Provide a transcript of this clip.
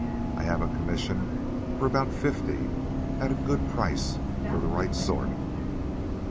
I have a commission for about fifty, at a good price for the right sort."